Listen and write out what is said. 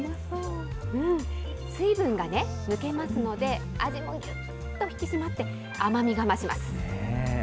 水分がね、抜けますので、味もぎゅっと引き締まって、甘みが増します。